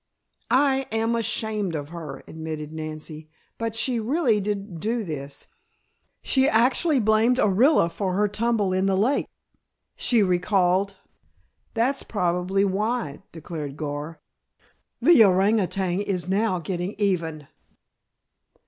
"I am ashamed of her," admitted Nancy. "But she really didn't do this. She actually blamed Orilla for her tumble in the lake," she recalled. "That's probably why," declared Gar, "the orang utan is now getting even."